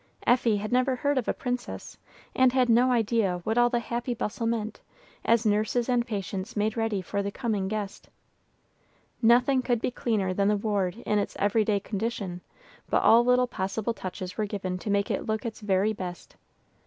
Effie had never heard of a princess, and had no idea what all the happy bustle meant, as nurses and patients made ready for the coming guest. Nothing could be cleaner than the ward in its every day condition, but all little possible touches were given to make it look its very best.